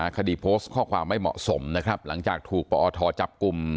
คดีโพสต์ข้อความไม่เหมาะสมนะครับหลังจากถูกปอทจับกลุ่ม